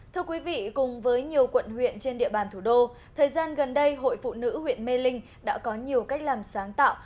thưa quý vị cùng với nhiều quận huyện trên địa bàn thủ đô thời gian gần đây hội phụ nữ huyện mê linh đã có nhiều cách làm sáng tạo